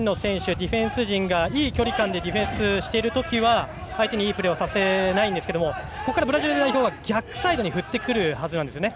ディフェンス陣がいい距離感でディフェンスしているときは相手にいいプレーをさせないんですけれどもそこからブラジル代表は逆サイドに振ってくるはずなんです。